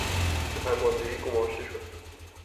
به فرماندهی گماشته شد.